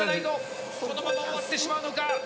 このまま、終わってしまうのか。